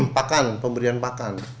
pakan pemberian pakan